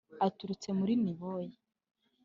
aturutse muri niboye